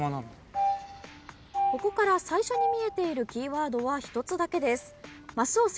ここから最初に見えているキーワードは１つだけです。